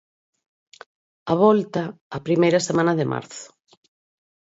A volta, a primeira semana de marzo.